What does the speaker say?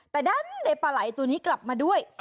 แต่ดันได้ปลาไหล่ตัวนี้กลับมาด้วย